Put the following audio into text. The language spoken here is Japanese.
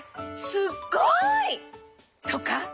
すっごい！」とか？